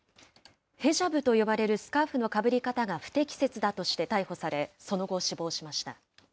ヘジャブと呼ばれるスカーフのかぶり方が不適切だとして逮捕され、その後死亡しました。